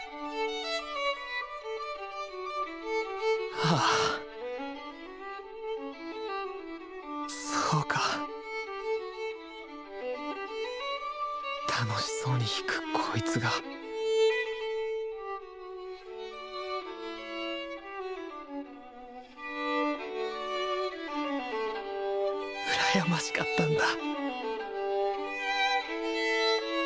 ああそうか楽しそうに弾くこいつが羨ましかったんだ